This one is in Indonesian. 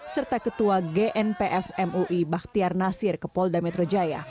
serta ketua gnpf mui baktiar nasir ke polda metro jaya